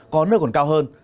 có nơi còn cao hơn